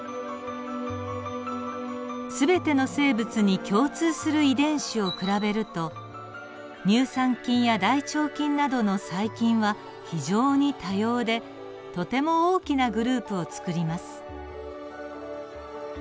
全ての生物に共通する遺伝子を比べると乳酸菌や大腸菌などの細菌は非常に多様でとても大きなグループをつくります。